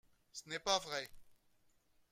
Ce n’est pas vrai